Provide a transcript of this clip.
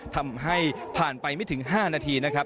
ทำให้ผ่านไปไม่ถึง๕นาที